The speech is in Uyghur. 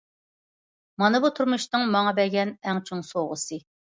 مانا بۇ تۇرمۇشنىڭ ماڭا بەرگەن ئەڭ چوڭ سوۋغىسى.